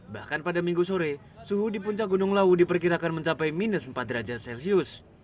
bahkan pada minggu sore suhu di puncak gunung lawu diperkirakan mencapai minus empat derajat celcius